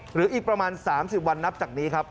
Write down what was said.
หรืออีกประมาณ๓๐วันนับจากนี้ครับ